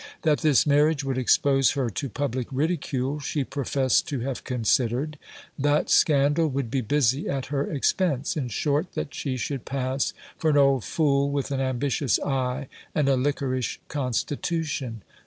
That this marriage would expose her to public ridicule, she professed to have considered ; that scandal would be busy at her expense ; in short, that she should pass for an old fool with an ambitious eye and a liquorish constitution.